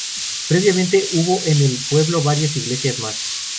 Previamente hubo en el pueblo varias iglesias más.